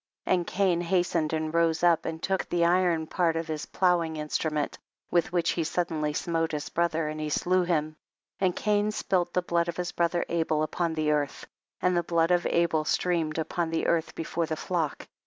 25. And Cain hastened and rose up, and took the iron part, of his ploughing instrument, with which he suddenly smote his brother and he slew him, and Cain spilt the blood of his brother Abel upon the earth, and the blood of Abel streamed upon the earth before the flock.